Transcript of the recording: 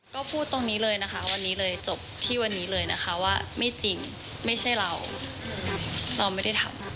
ก็พูดตรงนี้เลยนะคะวันนี้เลยจบที่วันนี้เลยนะคะว่าไม่จริงไม่ใช่เราเราไม่ได้ทำ